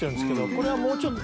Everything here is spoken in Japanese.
これはもうちょっと。